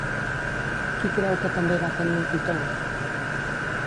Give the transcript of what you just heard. Qui creu que també va tenir a Pitó?